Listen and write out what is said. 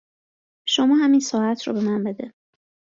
شما هم این ساعت رو به من بده